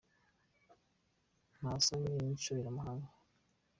Ntasa n’inshoberamahanga